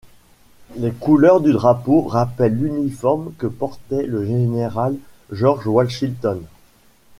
Les couleurs du drapeau rappelle l'uniforme que portait le Général George Washington.